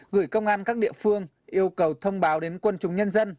gửi công an các địa phương yêu cầu thông báo đến quân chúng nhân dân